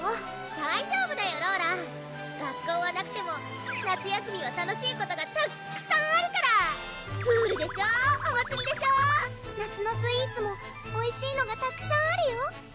大丈夫だよローラ学校はなくても夏休みは楽しいことがたっくさんあるからプールでしょお祭りでしょ夏のスイーツもおいしいのがたくさんあるよ